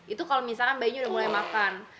itu kalau misalnya bayinya udah mulai makan